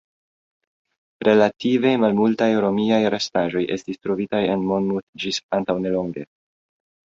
Relative malmultaj Romiaj restaĵoj estis trovitaj en Monmouth ĝis antaŭ nelonge.